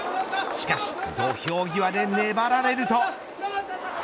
しかし、土俵際で粘られると。